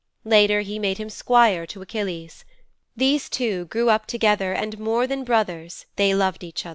Later he made him squire to Achilles. These two grew up together and more than brothers they loved each other.